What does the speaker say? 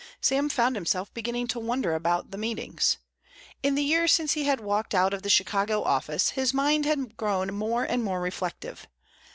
Sam found himself beginning to wonder about the meetings. In the year since he had walked out of the Chicago office his mind had grown more and more reflective.